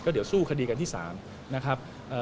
เดี๋ยวสู้คดีกันที่ศาลนะครับ